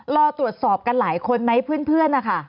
รอตรวจสอบกันหลายคนไหมเพื่อนนะคะ